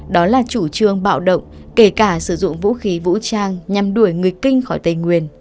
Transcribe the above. đó là chủ trương bạo động kể cả sử dụng vũ khí vũ trang nhằm đuổi người kinh khỏi tây nguyên